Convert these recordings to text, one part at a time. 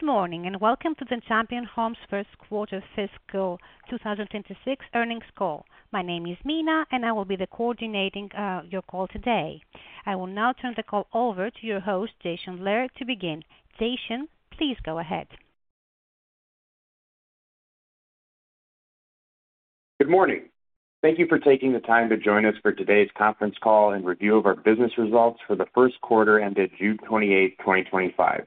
Good morning and welcome to the Champion Homes First Quarter Fiscal 2026 Earnings Call. My name is Mina, and I will be coordinating your call today. I will now turn the call over to your host, Jason Blair, to begin. Jason, please go ahead. Good morning. Thank you for taking the time to join us for today's conference call and review of our business results for the first quarter ended June 28th, 2025.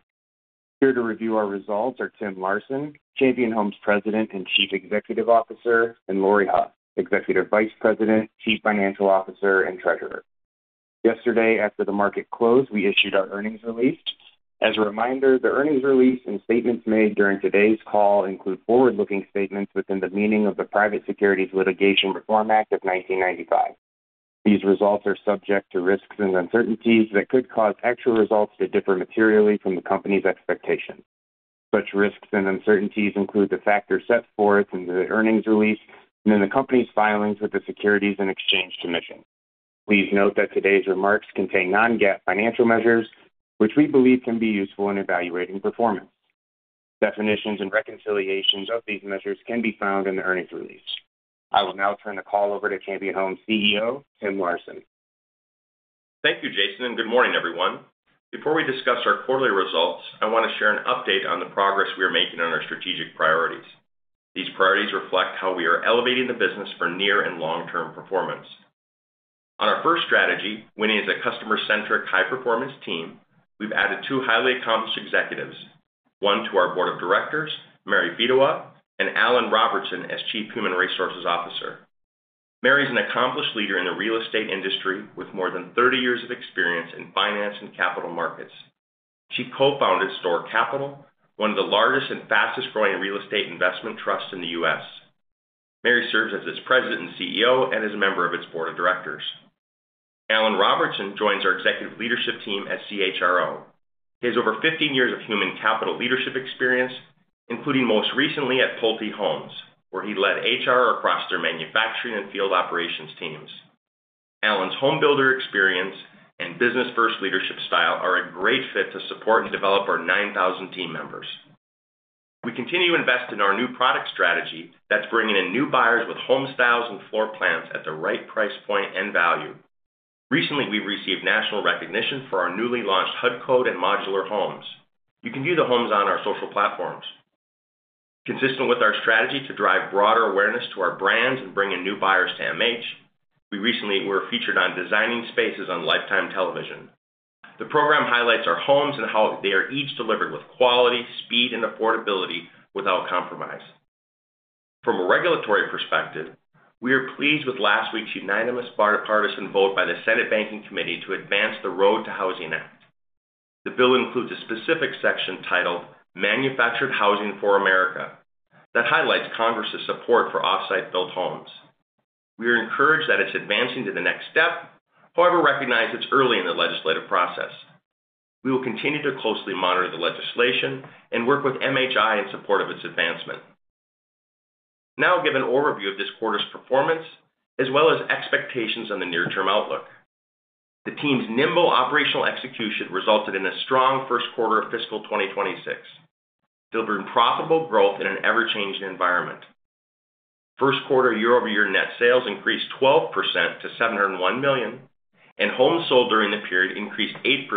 Here to review our results are Tim Larson, Champion Home Builders President and Chief Executive Officer, and Laurie Hough, Executive Vice President, Chief Financial Officer, and Treasurer. Yesterday, after the market closed, we issued our earnings release. As a reminder, the earnings release and statements made during today's call include forward-looking statements within the meaning of the Private Securities Litigation Reform Act of 1995. These results are subject to risks and uncertainties that could cause actual results to differ materially from the company's expectations. Such risks and uncertainties include the factors set forth in the earnings release and in the company's filings with the Securities and Exchange Commission. Please note that today's remarks contain non-GAAP financial measures, which we believe can be useful in evaluating performance. Definitions and reconciliations of these measures can be found in the earnings release. I will now turn the call over to Champion Home Builders CEO, Tim Larson. Thank you, Jason, and good morning, everyone. Before we discuss our quarterly results, I want to share an update on the progress we are making on our strategic priorities. These priorities reflect how we are elevating the business for near and long-term performance. On our first strategy, winning as a customer-centric high-performance team, we've added two highly accomplished executives: one to our Board of Directors, Mary Fedewa, and Alan Robertson as Chief Human Resources Officer. Mary is an accomplished leader in the real estate industry with more than 30 years of experience in finance and capital markets. She co-founded STORE Capital, one of the largest and fastest-growing real estate investment trusts in the U.S. Mary serves as its President and CEO and is a member of its Board of Directors. Alan Robertson joins our executive leadership team as CHRO. He has over 15 years of human capital leadership experience, including most recently at Pulte Homes, where he led HR across their manufacturing and field operations teams. Alan's homebuilder experience and business-first leadership style are a great fit to support and develop our 9,000 team members. We continue to invest in our new product strategy that's bringing in new buyers with home styles and floor plans at the right price point and value. Recently, we received national recognition for our newly launched HUD code and modular homes. You can view the homes on our social platforms. Consistent with our strategy to drive broader awareness to our brands and bring in new buyers to MH, we recently were featured on Designing Spaces on Lifetime Television. The program highlights our homes and how they are each delivered with quality, speed, and affordability without compromise. From a regulatory perspective, we are pleased with last week's unanimous bipartisan vote by the Senate Banking Committee to advance the ROAD to Housing Act. The bill includes a specific section titled Manufactured Housing for America that highlights Congress's support for offsite-built homes. We are encouraged that it's advancing to the next step, however, recognize it's early in the legislative process. We will continue to closely monitor the legislation and work with MHI in support of its advancement. Now, I'll give an overview of this quarter's performance as well as expectations on the near-term outlook. The team's nimble operational execution resulted in a strong first quarter of fiscal 2026, delivering profitable growth in an ever-changing environment. First quarter year-over-year net sales increased 12% to $701 million, and homes sold during the period increased 8%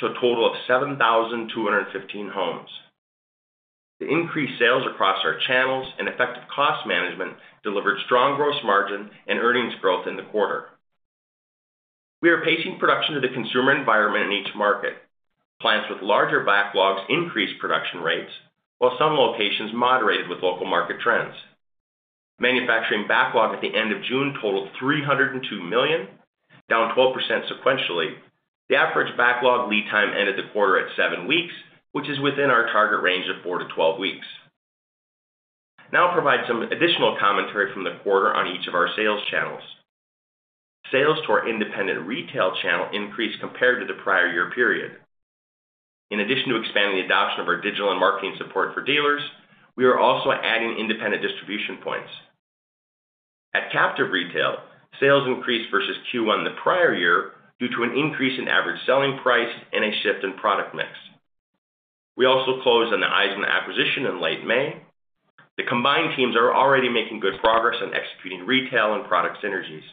to a total of 7,215 homes. The increased sales across our channels and effective cost management delivered strong gross margin and earnings growth in the quarter. We are pacing production to the consumer environment in each market. Plants with larger backlogs increased production rates, while some locations moderated with local market trends. Manufacturing backlog at the end of June totaled $302 million, down 12% sequentially. The average backlog lead time ended the quarter at seven weeks, which is within our target range of 4-12 weeks. Now I'll provide some additional commentary from the quarter on each of our sales channels. Sales to our independent retail channel increased compared to the prior year period. In addition to expanding the adoption of our digital and marketing support for dealers, we are also adding independent distribution points. At captive retail, sales increased versus Q1 the prior year due to an increase in average selling price and a shift in product mix. We also closed on the Iseman acquisition in late May. The combined teams are already making good progress on executing retail and product synergies.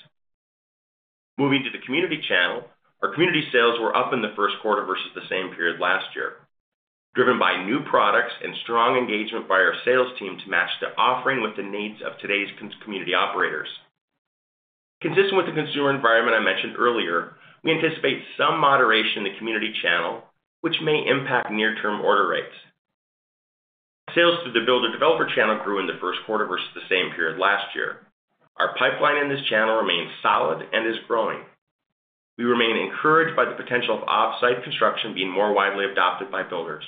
Moving to the community channel, our community sales were up in the first quarter versus the same period last year, driven by new products and strong engagement by our sales team to match the offering with the needs of today's community operators. Consistent with the consumer environment I mentioned earlier, we anticipate some moderation in the community channel, which may impact near-term order rates. Sales through the builder-developer channel grew in the first quarter versus the same period last year. Our pipeline in this channel remains solid and is growing. We remain encouraged by the potential of offsite construction being more widely adopted by builders.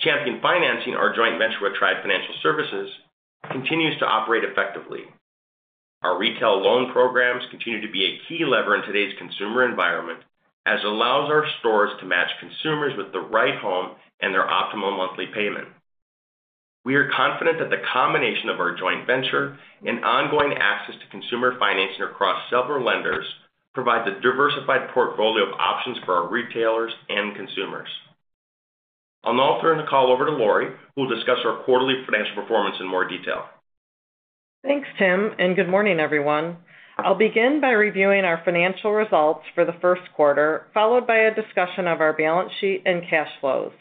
Champion Financing, our joint venture with Triad Financial Services, continues to operate effectively. Our retail loan programs continue to be a key lever in today's consumer environment, as it allows our stores to match consumers with the right home and their optimal monthly payment. We are confident that the combination of our joint venture and ongoing access to consumer financing across several lenders provides a diversified portfolio of options for our retailers and consumers. I'll now turn the call over to Laurie, who will discuss our quarterly financial performance in more detail. Thanks, Tim, and good morning, everyone. I'll begin by reviewing our financial results for the first quarter, followed by a discussion of our balance sheet and cash flows.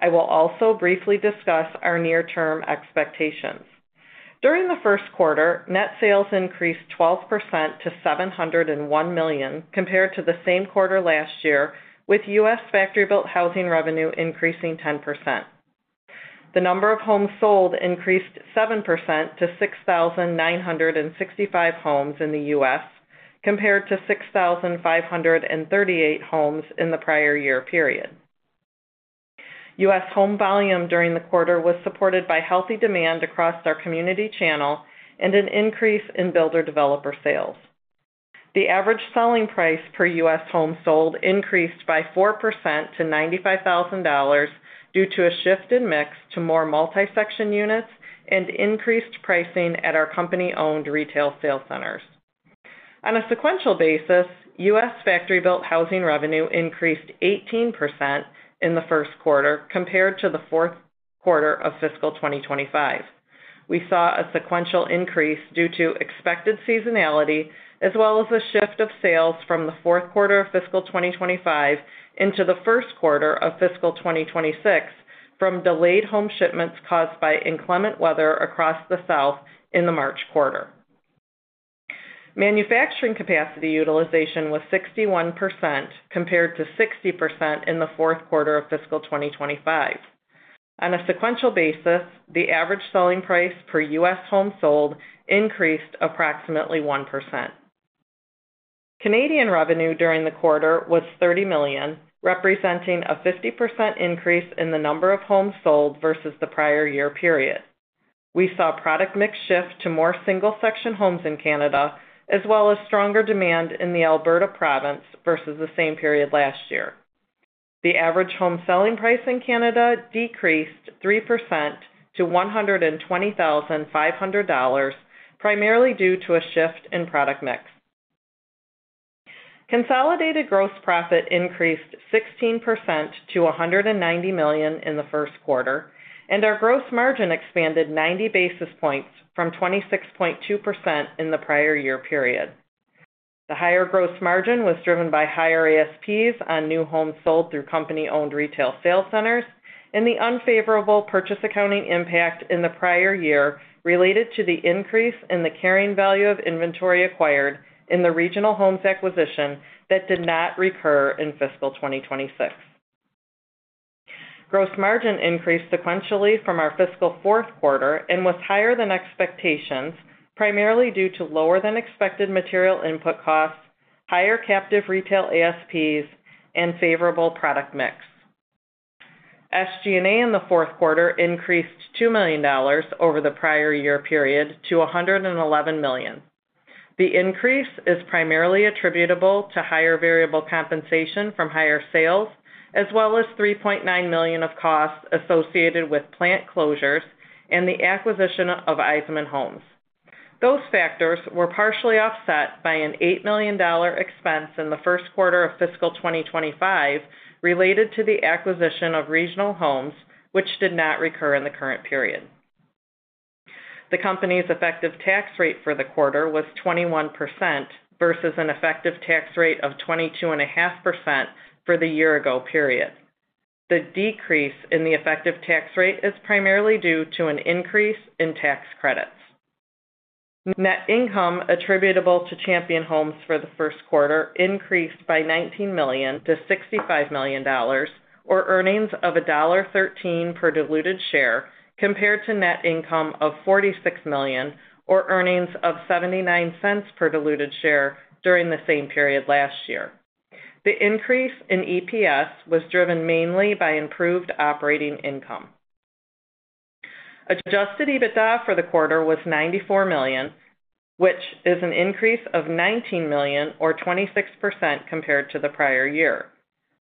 I will also briefly discuss our near-term expectations. During the first quarter, net sales increased 12% to $701 million compared to the same quarter last year, with U.S. factory-built housing revenue increasing 10%. The number of homes sold increased 7% to 6,965 homes in the U.S. compared to 6,538 homes in the prior year period. U.S. home volume during the quarter was supported by healthy demand across our community channel and an increase in builder-developer sales. The average selling price per U.S. home sold increased by 4% to $95,000 due to a shift in mix to more multi-section units and increased pricing at our company-owned retail sale centers. On a sequential basis, U.S. factory-built housing revenue increased 18% in the first quarter compared to the fourth quarter of fiscal 2025. We saw a sequential increase due to expected seasonality, as well as a shift of sales from the fourth quarter of fiscal 2025 into the first quarter of fiscal 2026 from delayed home shipments caused by inclement weather across the South in the March quarter. Manufacturing capacity utilization was 61% compared to 60% in the fourth quarter of fiscal 2025. On a sequential basis, the average selling price per U.S. home sold increased approximately 1%. Canadian revenue during the quarter was $30 million, representing a 50% increase in the number of homes sold versus the prior year period. We saw product mix shift to more single-section homes in Canada, as well as stronger demand in the Alberta province versus the same period last year. The average home selling price in Canada decreased 3% to $120,500, primarily due to a shift in product mix. Consolidated gross profit increased 16% to $190 million in the first quarter, and our gross margin expanded 90 basis points from 26.2% in the prior year period. The higher gross margin was driven by higher ASPs on new homes sold through company-owned retail sale centers and the unfavorable purchase accounting impact in the prior year related to the increase in the carrying value of inventory acquired in the Regional Homes acquisition that did not recur in fiscal 2026. Gross margin increased sequentially from our fiscal fourth quarter and was higher than expectations, primarily due to lower than expected material input costs, higher captive retail ASPs, and favorable product mix. SG&A in the fourth quarter increased $2 million over the prior year period to $111 million. The increase is primarily attributable to higher variable compensation from higher sales, as well as $3.9 million of costs associated with plant closures and the acquisition of Iseman Homes. Those factors were partially offset by an $8 million expense in the first quarter of fiscal 2025 related to the acquisition of Regional Homes, which did not recur in the current period. The company's effective tax rate for the quarter was 21% versus an effective tax rate of 22.5% for the year-ago period. The decrease in the effective tax rate is primarily due to an increase in tax credits. Net income attributable to Champion Home Builders for the first quarter increased by $19 million-$65 million, or earnings of $1.13 per diluted share, compared to net income of $46 million, or earnings of $0.79 per diluted share during the same period last year. The increase in EPS was driven mainly by improved operating income. Adjusted EBITDA for the quarter was $94 million, which is an increase of $19 million, or 26% compared to the prior year.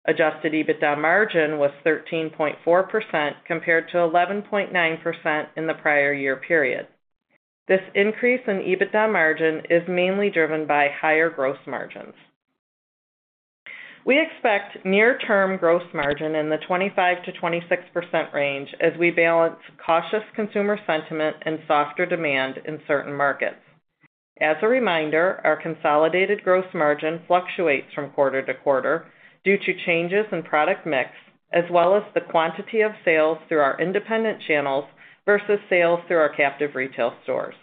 Adjusted EBITDA margin was 13.4% compared to 11.9% in the prior year period. This increase in EBITDA margin is mainly driven by higher gross margins. We expect near-term gross margin in the 25%-26% range as we balance cautious consumer sentiment and softer demand in certain markets. As a reminder, our consolidated gross margin fluctuates from quarter-to-quarter due to changes in product mix, as well as the quantity of sales through our independent channels versus sales through our captive retail stores.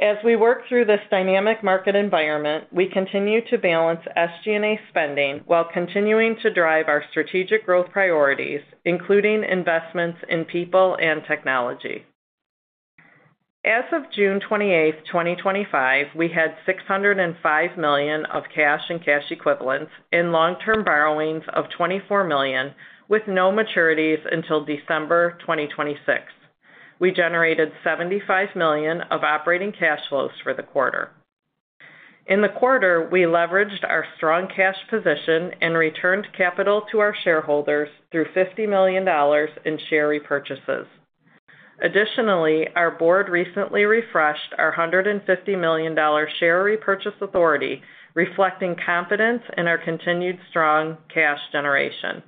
As we work through this dynamic market environment, we continue to balance SG&A spending while continuing to drive our strategic growth priorities, including investments in people and technology. As of June 28th, 2025, we had $605 million of cash and cash equivalents and long-term borrowings of $24 million, with no maturities until December 2026. We generated $75 million of operating cash flows for the quarter. In the quarter, we leveraged our strong cash position and returned capital to our shareholders through $50 million in share repurchases. Additionally, our board recently refreshed our $150 million share repurchase authority, reflecting confidence in our continued strong cash generation.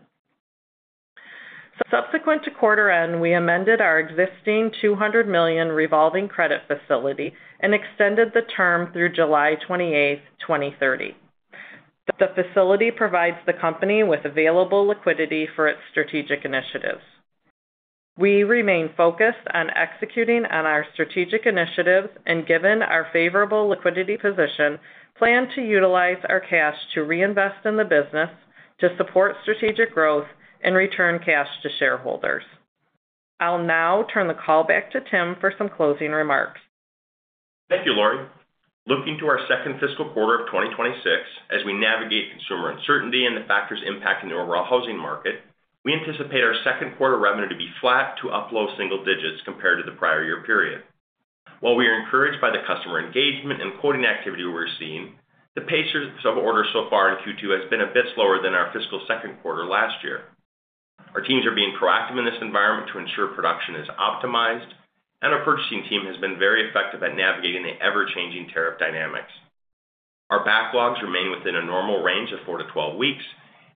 Subsequent to quarter end, we amended our existing $200 million revolving credit facility and extended the term through July 28th, 2030. The facility provides the company with available liquidity for its strategic initiatives. We remain focused on executing on our strategic initiatives and, given our favorable liquidity position, plan to utilize our cash to reinvest in the business to support strategic growth and return cash to shareholders. I'll now turn the call back to Tim for some closing remarks. Thank you, Laurie. Looking to our second fiscal quarter of 2026, as we navigate consumer uncertainty and the factors impacting the overall housing market, we anticipate our second quarter revenue to be flat to up low single digits compared to the prior year period. While we are encouraged by the customer engagement and quoting activity we're seeing, the pace of orders so far in Q2 has been a bit slower than our fiscal second quarter last year. Our teams are being proactive in this environment to ensure production is optimized, and our purchasing team has been very effective at navigating the ever-changing tariff dynamics. Our backlogs remain within a normal range of 4-12 weeks,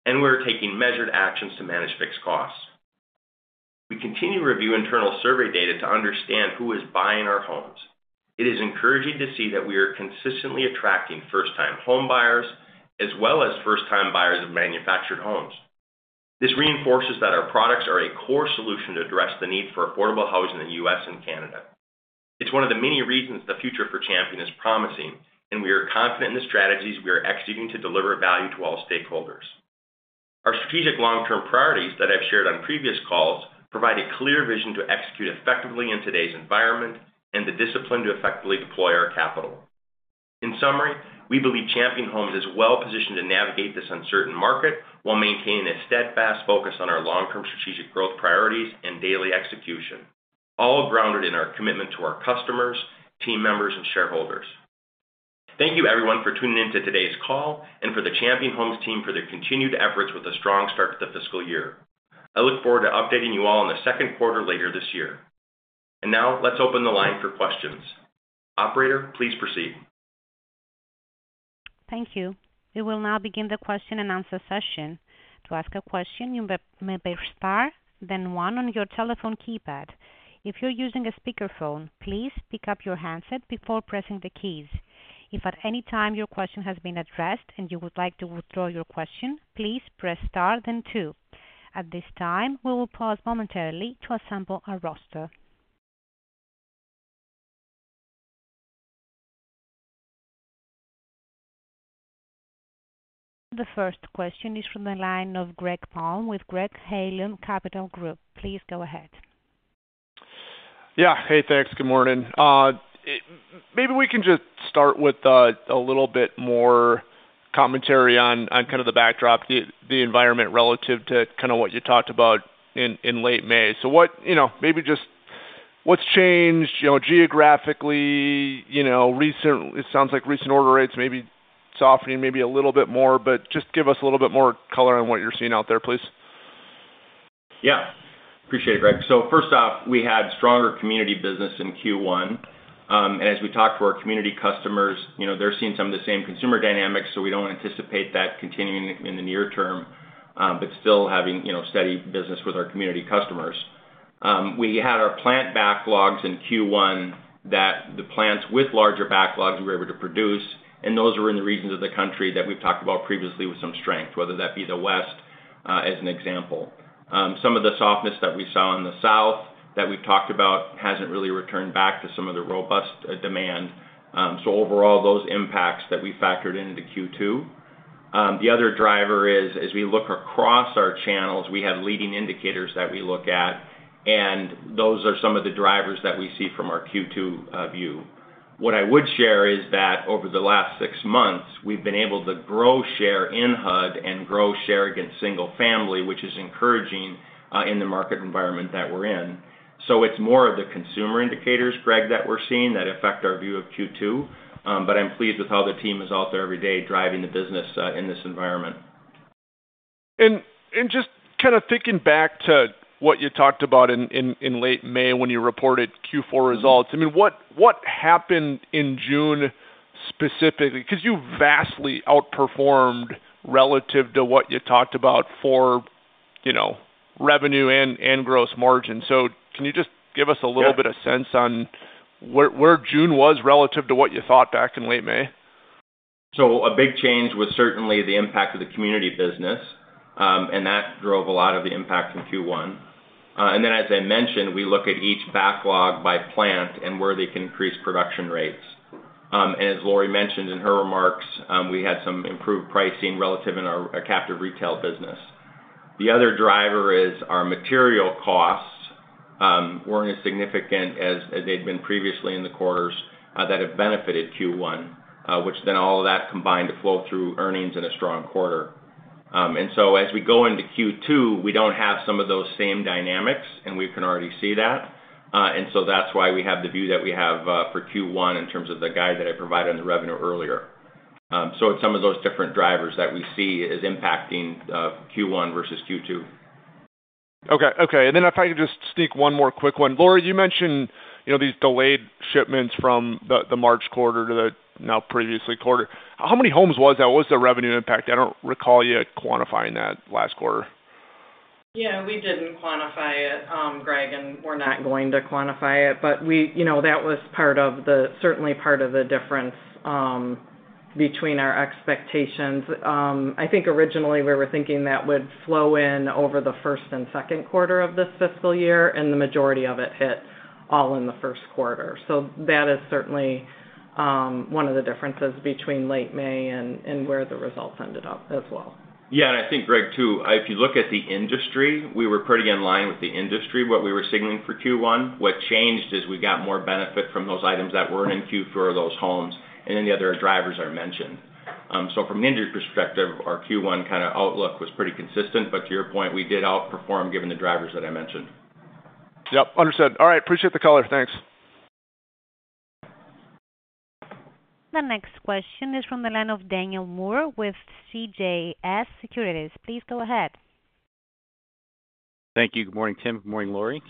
and we're taking measured actions to manage fixed costs. We continue to review internal survey data to understand who is buying our homes. It is encouraging to see that we are consistently attracting first-time home buyers as well as first-time buyers of manufactured homes. This reinforces that our products are a core solution to address the need for affordable housing in the U.S. and Canada. It's one of the many reasons the future for Champion is promising, and we are confident in the strategies we are executing to deliver value to all stakeholders. Our strategic long-term priorities that I've shared on previous calls provide a clear vision to execute effectively in today's environment and the discipline to effectively deploy our capital. In summary, we believe Champion Home is well positioned to navigate this uncertain market while maintaining a steadfast focus on our long-term strategic growth priorities and daily execution, all grounded in our commitment to our customers, team members, and shareholders. Thank you, everyone, for tuning in to today's call and for the Champion Home team for their continued efforts with a strong start to the fiscal year. I look forward to updating you all in the second quarter later this year. Now, let's open the line for questions. Operator, please proceed. Thank you. We will now begin the question and answer session. To ask a question, you may press star, then one on your telephone keypad. If you're using a speakerphone, please pick up your handset before pressing the keys. If at any time your question has been addressed and you would like to withdraw your question, please press star, then two. At this time, we will pause momentarily to assemble our roster. The first question is from the line of Gregg Baum with Greg Palm with Capital Group. Please go ahead. Yeah. Hey, thanks. Good morning. Maybe we can just start with a little bit more commentary on the backdrop, the environment relative to what you talked about in late May. What, you know, maybe just what's changed geographically, you know, recent, it sounds like recent order rates may be softening maybe a little bit more, but just give us a little bit more color on what you're seeing out there, please. Yeah. Appreciate it, Greg. First off, we had stronger community business in Q1. As we talk to our community customers, they're seeing some of the same consumer dynamics, so we don't anticipate that continuing in the near term, but still having steady business with our community customers. We had our plant backlogs in Q1; the plants with larger backlogs were able to produce, and those are in the regions of the country that we've talked about previously with some strength, whether that be the West as an example. Some of the softness that we saw in the South that we've talked about hasn't really returned back to some of the robust demand. Overall, those impacts we factored into Q2. The other driver is, as we look across our channels, we have leading indicators that we look at, and those are some of the drivers that we see from our Q2 view. What I would share is that over the last six months, we've been able to grow share in HUD and grow share against single family, which is encouraging in the market environment that we're in. It's more of the consumer indicators, Greg, that we're seeing that affect our view of Q2, but I'm pleased with how the team is out there every day driving the business in this environment. Just thinking back to what you talked about in late May when you reported Q4 results, what happened in June specifically? You vastly outperformed relative to what you talked about for revenue and gross margin. Can you give us a little bit of sense on where June was relative to what you thought back in late May? A big change was certainly the impact of the community business, and that drove a lot of the impact in Q1. As I mentioned, we look at each backlog by plant and where they can increase production rates. As Laurie mentioned in her remarks, we had some improved pricing relative in our captive retail business. The other driver is our material costs weren't as significant as they'd been previously in the quarters that have benefited Q1, which then all of that combined to flow through earnings in a strong quarter. As we go into Q2, we don't have some of those same dynamics, and we can already see that. That's why we have the view that we have for Q1 in terms of the guide that I provided on the revenue earlier. It's some of those different drivers that we see as impacting Q1 versus Q2. Okay. If I could just sneak one more quick one. Laurie, you mentioned, you know, these delayed shipments from the March quarter to the now previous quarter. How many homes was that? What was the revenue impact? I don't recall you quantifying that last quarter. Yeah, we didn't quantify it, Greg, and we're not going to quantify it, but that was certainly part of the difference between our expectations. I think originally we were thinking that would flow in over the first and second quarter of this fiscal year, and the majority of it hit all in the first quarter. That is certainly one of the differences between late May and where the results ended up as well. Yeah, and I think, Greg, too, if you look at the industry, we were pretty in line with the industry, what we were signaling for Q1. What changed is we got more benefit from those items that were in Q2 or those homes, and then the other drivers I mentioned. From an industry perspective, our Q1 kind of outlook was pretty consistent, but to your point, we did outperform given the drivers that I mentioned. Yes. Understood. All right, appreciate the color. Thanks. The next question is from the line of Daniel Moore with CJS Securities. Please go ahead. Thank you. Good morning, Tim. Good morning, Laurie.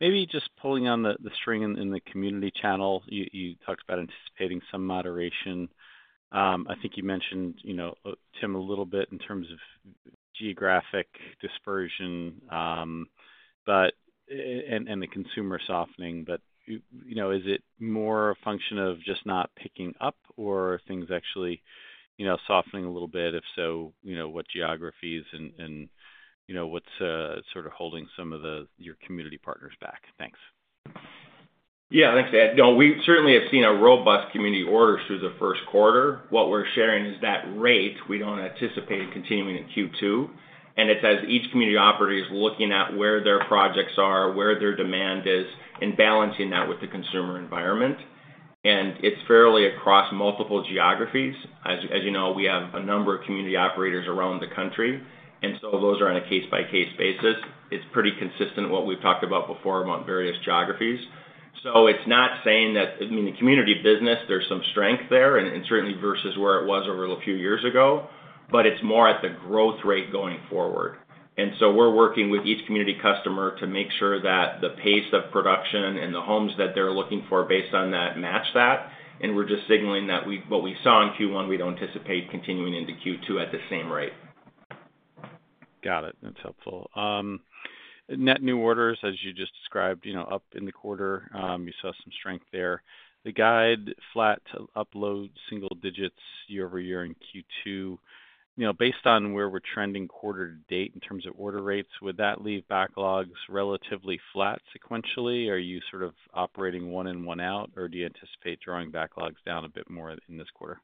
Maybe just pulling on the string in the community channel, you talked about anticipating some moderation. I think you mentioned, you know, Tim, a little bit in terms of geographic dispersion, and the consumer softening, but, you know, is it more a function of just not picking up or things actually, you know, softening a little bit? If so, you know, what geographies and, you know, what's sort of holding some of your community partners back? Thanks. Yes, thanks, Dan. No, we certainly have seen a robust community order through the first quarter. What we're sharing is that rate we don't anticipate continuing in Q2, and it's as each community operator is looking at where their projects are, where their demand is, and balancing that with the consumer environment. It's fairly across multiple geographies. As you know, we have a number of community operators around the country, and those are on a case-by-case basis. It's pretty consistent with what we've talked about before regarding various geographies. It's not saying that the community business, there's some strength there, and certainly versus where it was a few years ago, but it's more at the growth rate going forward. We're working with each community customer to make sure that the pace of production and the homes that they're looking for based on that match that, and we're just signaling that what we saw in Q1, we don't anticipate continuing into Q2 at the same rate. Got it. That's helpful. Net new orders, as you just described, you know, up in the quarter, you saw some strength there. The guide flat to up low single digits year over year in Q2. You know, based on where we're trending quarter to date in terms of order rates, would that leave backlogs relatively flat sequentially? Are you sort of operating one in, one out, or do you anticipate drawing backlogs down a bit more in this quarter?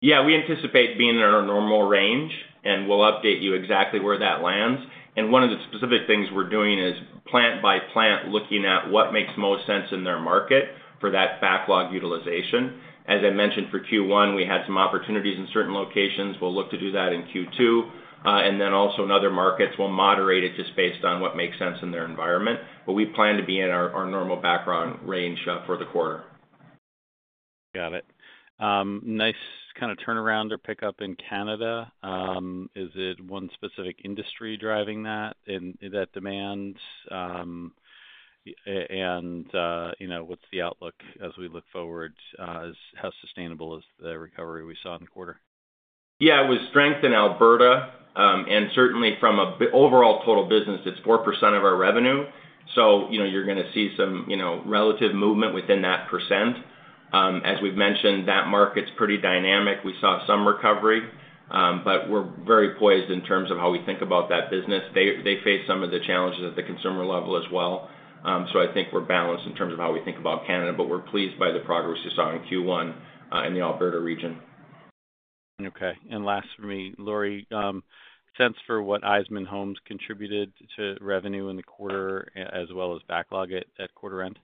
Yeah, we anticipate being in our normal range, and we'll update you exactly where that lands. One of the specific things we're doing is plant by plant, looking at what makes most sense in their market for that backlog utilization. As I mentioned, for Q1, we had some opportunities in certain locations. We'll look to do that in Q2, and in other markets, we'll moderate it just based on what makes sense in their environment. We plan to be in our normal backlog range for the quarter. Got it. Nice kind of turnaround or pickup in Canada. Is it one specific industry driving that and that demand? What's the outlook as we look forward? How sustainable is the recovery we saw in the quarter? Yeah, it was strength in Alberta, and certainly from an overall total business, it's 4% of our revenue. You're going to see some relative movement within that percent. As we've mentioned, that market's pretty dynamic. We saw some recovery, and we're very poised in terms of how we think about that business. They face some of the challenges at the consumer level as well. I think we're balanced in terms of how we think about Canada, but we're pleased by the progress we saw in Q1 in the Alberta region. Okay. Last for me, Laurie, sense for what Iseman Homes contributed to revenue in the quarter as well as backlog at quarter end?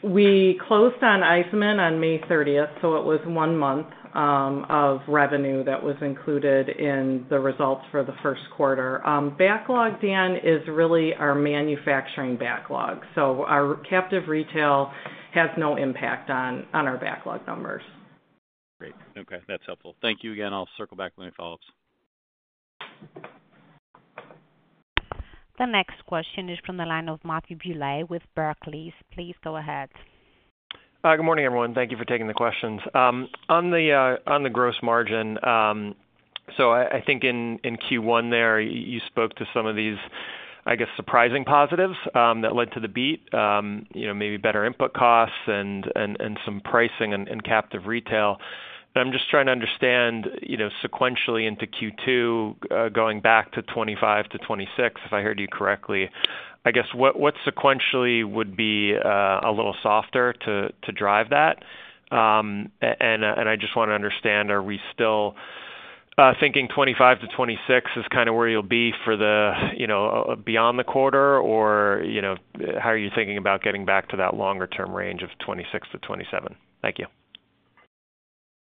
We closed on Iseman on May 30th, so it was one month of revenue that was included in the results for the first quarter. Backlog, Dan, is really our manufacturing backlog. Our captive retail has no impact on our backlog numbers. Great. Okay, that's helpful. Thank you again. I'll circle back with any follow-ups. The next question is from the line of Matthew Bouley with Barclays. Please go ahead. Good morning, everyone. Thank you for taking the questions. On the gross margin, in Q1 you spoke to some of these surprising positives that led to the beat, maybe better input costs and some pricing in captive retail. I'm just trying to understand sequentially into Q2, going back to 25%-26%, if I heard you correctly, what sequentially would be a little softer to drive that? I just want to understand, are we still thinking 25%-26% is kind of where you'll be for the, beyond the quarter, or how are you thinking about getting back to that longer-term range of 26%-27%? Thank you.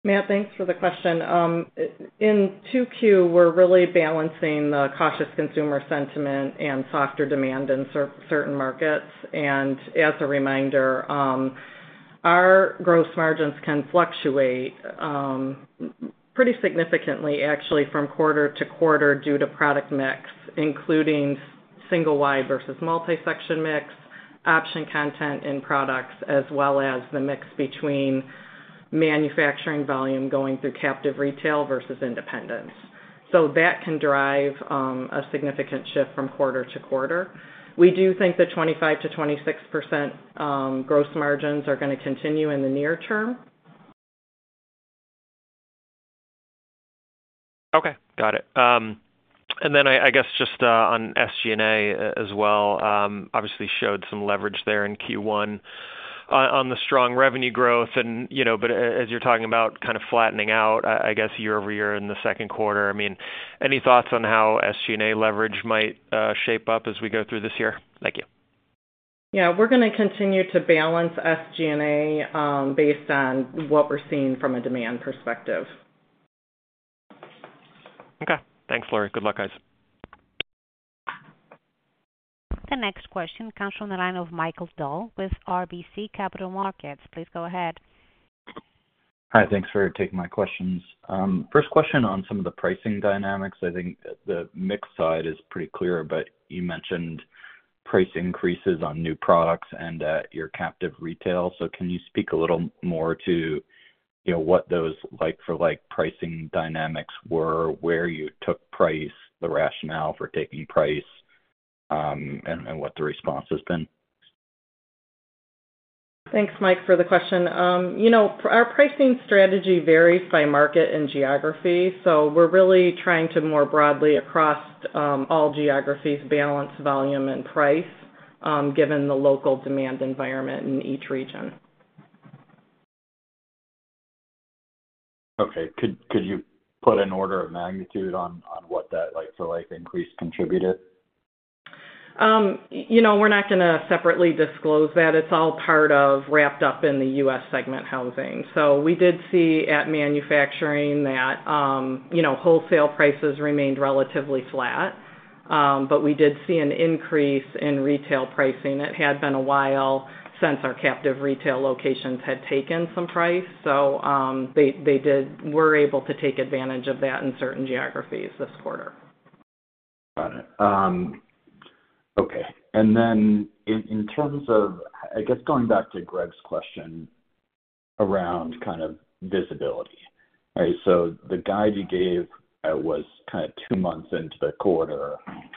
Matt, thanks for the question. In Q2, we're really balancing the cautious consumer sentiment and softer demand in certain markets. As a reminder, our gross margins can fluctuate pretty significantly, actually, from quarter-to-quarter due to product mix, including single-wide versus multi-section mix, option content in products, as well as the mix between manufacturing volume going through captive retail versus independence. That can drive a significant shift from quarter-to-quarter. We do think the 25%-26% gross margins are going to continue in the near term. Okay. Got it. On SG&A as well, obviously showed some leverage there in Q1 on the strong revenue growth. As you're talking about kind of flattening out, I guess, year over year in the second quarter, any thoughts on how SG&A leverage might shape up as we go through this year? Thank you. Yeah, we're going to continue to balance SG&A based on what we're seeing from a demand perspective. Okay. Thanks, Laurie. Good luck, guys. The next question comes from the line of Michael Dahl with RBC Capital Markets. Please go ahead. Hi, thanks for taking my questions. First question on some of the pricing dynamics. I think the mix side is pretty clear, but you mentioned price increases on new products and at your captive retail. Can you speak a little more to what those like-for-like pricing dynamics were, where you took price, the rationale for taking price, and what the response has been? Thanks, Mike, for the question. You know, our pricing strategy varies by market and geography. We're really trying to, more broadly, across all geographies, balance volume and price given the local demand environment in each region. Okay. Could you put an order of magnitude on what that like-for-like increase contributed? You know, we're not going to separately disclose that. It's all part of, wrapped up in the U.S. segment housing. We did see at manufacturing that, you know, wholesale prices remained relatively flat, but we did see an increase in retail pricing. It had been a while since our captive retail locations had taken some price. They did, were able to take advantage of that in certain geographies this quarter. Got it. Okay. In terms of, I guess, going back to Greg's question around kind of visibility, right? The guide you gave was kind of two months into the quarter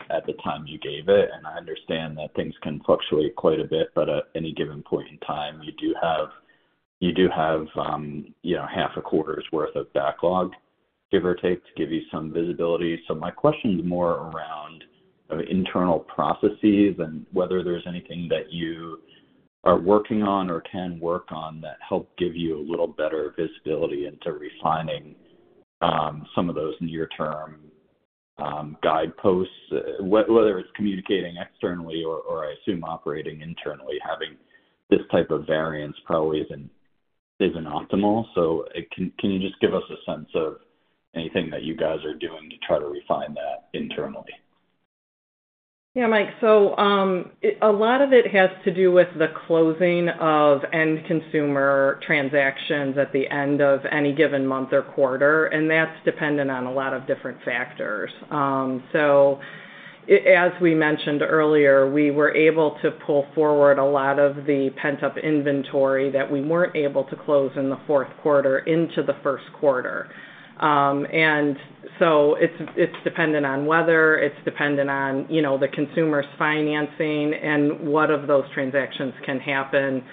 at the time you gave it. I understand that things can fluctuate quite a bit, but at any given point in time, you do have, you know, half a quarter's worth of backlog, give or take, to give you some visibility. My question's more around internal processes and whether there's anything that you are working on or can work on that help give you a little better visibility into refining some of those near-term guideposts, whether it's communicating externally or, I assume, operating internally, having this type of variance probably isn't optimal. Can you just give us a sense of anything that you guys are doing to try to refine that internally? Yeah, Mike. A lot of it has to do with the closing of end-consumer transactions at the end of any given month or quarter, and that's dependent on a lot of different factors. As we mentioned earlier, we were able to pull forward a lot of the pent-up inventory that we weren't able to close in the fourth quarter into the first quarter. It's dependent on weather, it's dependent on the consumer's financing and what of those transactions can happen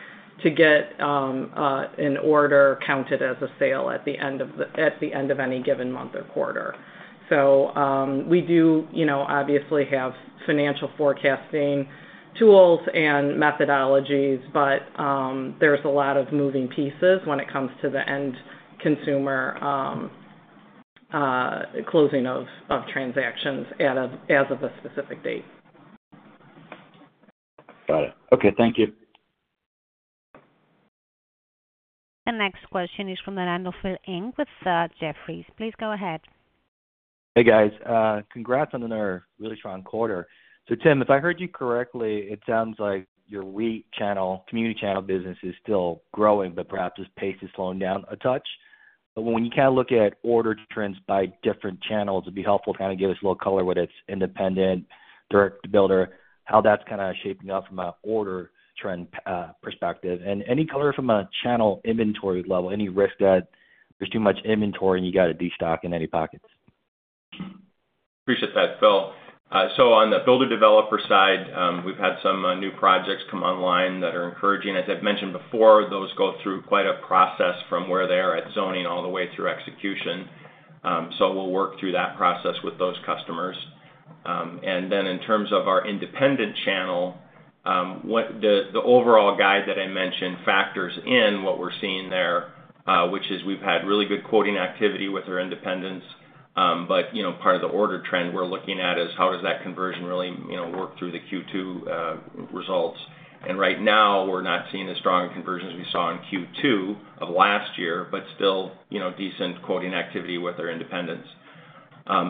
to get an order counted as a sale at the end of any given month or quarter. We do obviously have financial forecasting tools and methodologies, but there's a lot of moving pieces when it comes to the end-consumer closing of transactions as of a specific date. Got it. Okay, thank you. The next question is from the line of Phillip Ng with Jefferies. Please go ahead. Hey, guys. Congrats on another really strong quarter. Tim, if I heard you correctly, it sounds like your community channel business is still growing, but perhaps its pace is slowing down a touch. When you look at order trends by different channels, it'd be helpful to give us a little color whether it's independent, direct to builder, how that's shaping up from an order trend perspective. Any color from a channel inventory level, any risk that there's too much inventory and you got to destock in any pockets? Appreciate that, Phil. On the builder-developer side, we've had some new projects come online that are encouraging. As I've mentioned before, those go through quite a process from where they are at zoning all the way through execution. We'll work through that process with those customers. In terms of our independent channel, the overall guide that I mentioned factors in what we're seeing there, which is we've had really good quoting activity with our independents. Part of the order trend we're looking at is how does that conversion really work through the Q2 results. Right now, we're not seeing as strong a conversion as we saw in Q2 of last year, but still, decent quoting activity with our independents.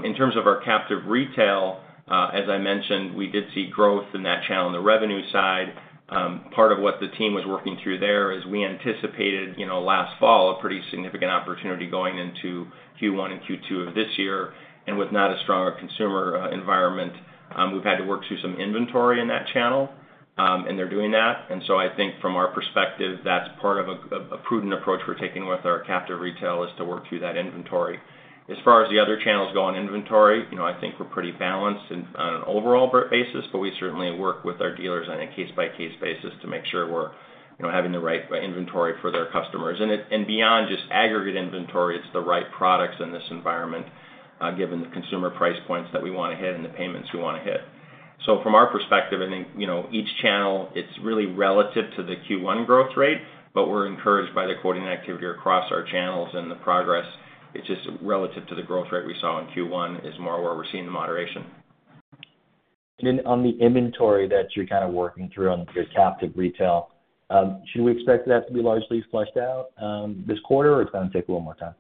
In terms of our captive retail, as I mentioned, we did see growth in that channel on the revenue side. Part of what the team was working through there is we anticipated last fall a pretty significant opportunity going into Q1 and Q2 of this year. With not a stronger consumer environment, we've had to work through some inventory in that channel, and they're doing that. From our perspective, that's part of a prudent approach we're taking with our captive retail is to work through that inventory. As far as the other channels go on inventory, I think we're pretty balanced on an overall basis, but we certainly work with our dealers on a case-by-case basis to make sure we're having the right inventory for their customers. Beyond just aggregate inventory, it's the right products in this environment, given the consumer price points that we want to hit and the payments we want to hit. From our perspective, I think each channel, it's really relative to the Q1 growth rate, but we're encouraged by the quoting activity across our channels and the progress. It's just relative to the growth rate we saw in Q1 is more where we're seeing the moderation. On the inventory that you're kind of working through on your captive retail, should we expect that to be largely flushed out this quarter, or is it going to take a little more time?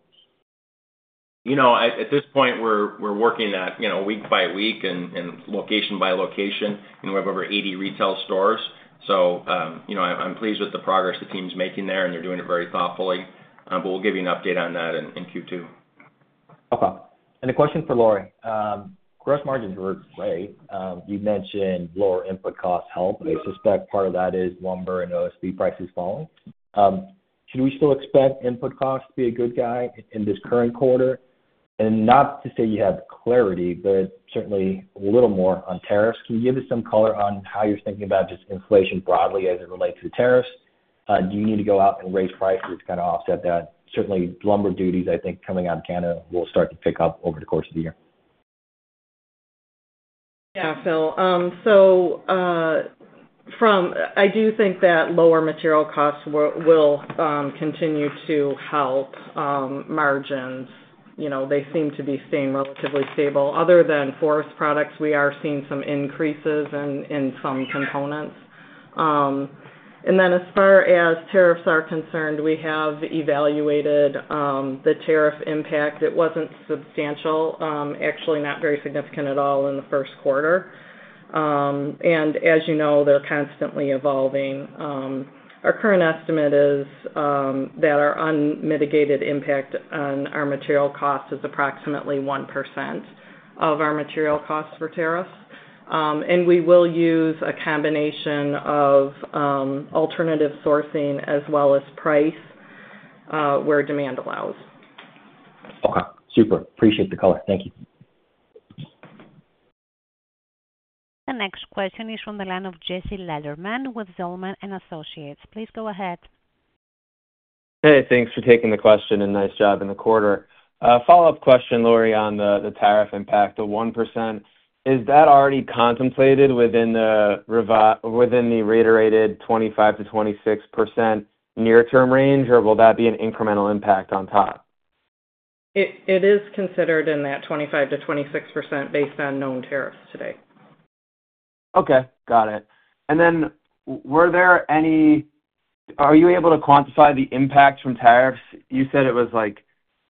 At this point, we're working that week by week and location by location. We have over 80 retail stores. I'm pleased with the progress the team's making there, and they're doing it very thoughtfully. We'll give you an update on that in Q2. Okay. A question for Laurie. Gross margins were great. You mentioned lower input costs help, and I suspect part of that is lumber and OSB prices falling. Should we still expect input costs to be a good guide in this current quarter? Not to say you have clarity, but certainly a little more on tariffs. Can you give us some color on how you're thinking about just inflation broadly as it relates to the tariffs? Do you need to go out and raise prices to kind of offset that? Certainly, lumber duties, I think, coming out of Canada will start to pick up over the course of the year. Yeah, Phil, I do think that lower material costs will continue to help margins. They seem to be staying relatively stable. Other than forest products, we are seeing some increases in some components. As far as tariffs are concerned, we have evaluated the tariff impact. It wasn't substantial, actually not very significant at all in the first quarter. As you know, they're constantly evolving. Our current estimate is that our unmitigated impact on our material costs is approximately 1% of our material costs for tariffs. We will use a combination of alternative sourcing as well as price where demand allows. Okay. Super. Appreciate the color. Thank you. The next question is from the line of Jesse Lederman with Zelman & Associates. Please go ahead. Hey, thanks for taking the question and nice job in the quarter. Follow-up question, Laurie, on the tariff impact of 1%. Is that already contemplated within the reiterated 25% to 26% near-term range, or will that be an incremental impact on top? It is considered in that 25%-26% based on known tariffs today. Okay. Got it. Were you able to quantify the impact from tariffs? You said it was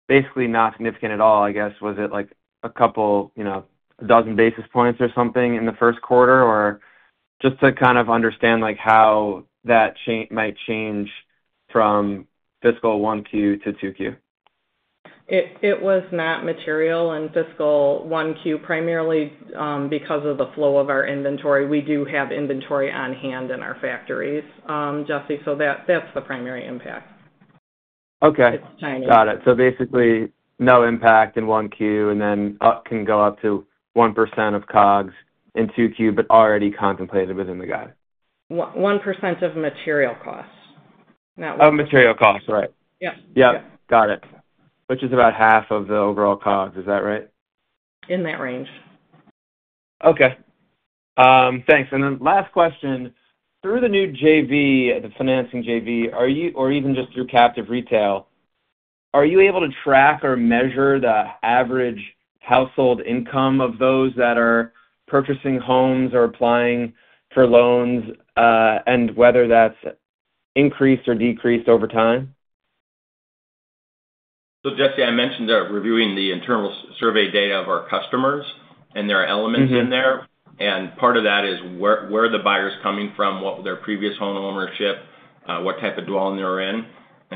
basically not significant at all, I guess. Was it like a couple, you know, a dozen basis points or something in the first quarter, or just to kind of understand how that might change from fiscal Q1-Q2? It was not material in fiscal Q1, primarily because of the flow of our inventory. We do have inventory on hand in our factories, Jesse, so that's the primary impact. Okay. It's tiny. Got it. Basically, no impact in Q1 and then can go up to 1% of COGS in Q2, but already contemplated within the guide. 1% of material costs. Of material costs, right. Yes. Got it. Which is about half of the overall COGS. Is that right? In that range. Okay. Thanks. Through the new JV, the financing JV, are you, or even just through captive retail, able to track or measure the average household income of those that are purchasing homes or applying for loans and whether that's increased or decreased over time? Jesse, I mentioned that reviewing the internal survey data of our customers, there are elements in there. Part of that is where the buyer's coming from, what was their previous home ownership, what type of dwelling they were in.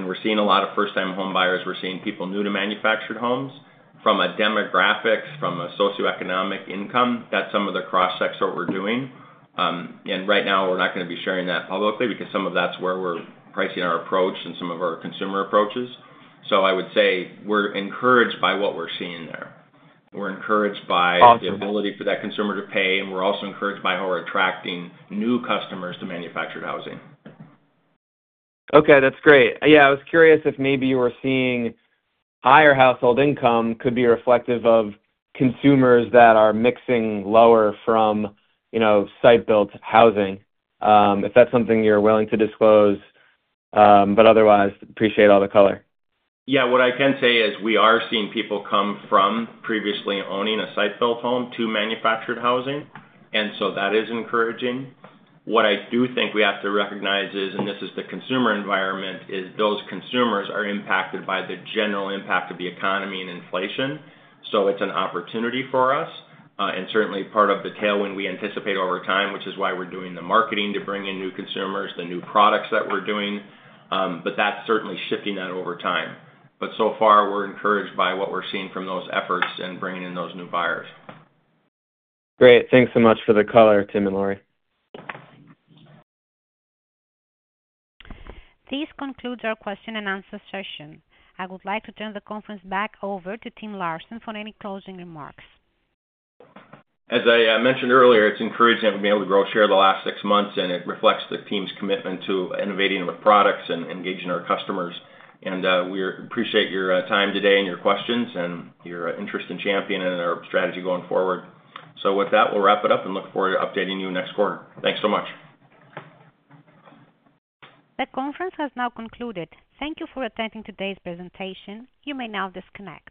We're seeing a lot of first-time home buyers. We're seeing people new to manufactured homes from a demographics, from a socioeconomic income that some of the cross-sects are doing. Right now, we're not going to be sharing that publicly because some of that's where we're pricing our approach and some of our consumer approaches. I would say we're encouraged by what we're seeing there. We're encouraged by the ability for that consumer to pay, and we're also encouraged by how we're attracting new customers to manufactured housing. Okay. That's great. I was curious if maybe you were seeing higher household income could be reflective of consumers that are mixing lower from, you know, site-built housing, if that's something you're willing to disclose. Otherwise, appreciate all the color. Yeah, what I can say is we are seeing people come from previously owning a site-built home to manufactured housing. That is encouraging. What I do think we have to recognize is, and this is the consumer environment, those consumers are impacted by the general impact of the economy and inflation. It's an opportunity for us and certainly part of the tailwind we anticipate over time, which is why we're doing the marketing to bring in new consumers, the new products that we're doing. That's certainly shifting that over time. So far, we're encouraged by what we're seeing from those efforts and bringing in those new buyers. Great. Thanks so much for the color, Tim and Laurie. This concludes our question and answer session. I would like to turn the conference back over to Tim Larson for any closing remarks. As I mentioned earlier, it's encouraging that we've been able to grow share the last six months, and it reflects the team's commitment to innovating with products and engaging our customers. We appreciate your time today and your questions and your interest in Champion Homes and our strategy going forward. With that, we'll wrap it up and look forward to updating you next quarter. Thanks so much. The conference has now concluded. Thank you for attending today's presentation. You may now disconnect.